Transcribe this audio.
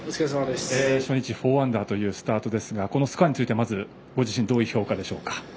初日４アンダーというスタートですがこのスコアについてはご自身でどういう評価でしょうか。